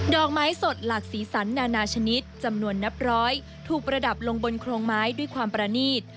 อกไม้สดหลากสีสันนานาชนิดจำนวนนับร้อยถูกประดับลงบนโครงไม้ด้วยความประนีต